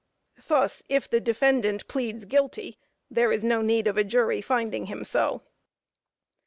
Thus, if the defendant pleads "guilty," there is no need of a jury finding him so.